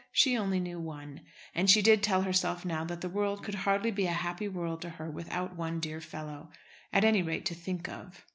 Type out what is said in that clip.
She only knew one. And she did tell herself now that the world could hardly be a happy world to her without one dear fellow, at any rate, to think of.